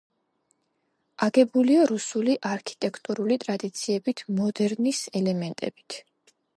აგებულია რუსული არქიტექტურული ტრადიციებით მოდერნის ელემენტებით.